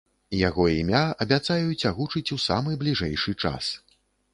Яго імя абяцаюць агучыць у самы бліжэйшы час.